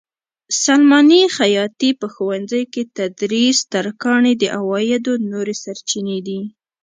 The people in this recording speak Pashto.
سلماني؛ خیاطي؛ په ښوونځیو کې تدریس؛ ترکاڼي د عوایدو نورې سرچینې دي.